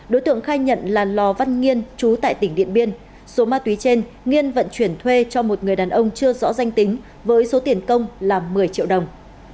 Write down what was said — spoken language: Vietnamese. đối tượng khai nhận là lò văn nghiên chú tại tỉnh điện biên số ma túy trên nghiên vận chuyển thuê cho một người đàn ông chưa rõ danh tính với số tiền công là một mươi triệu đồng